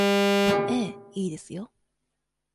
ええ、いいですよ。